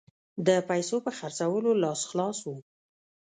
د پیسو په خرڅولو لاس خلاص وو.